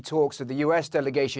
dari delegasi as